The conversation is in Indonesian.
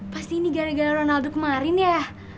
pasti ini gara gara ronaldo kemarin ya